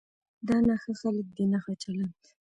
دا نه ښه خلک دي نه ښه چلند.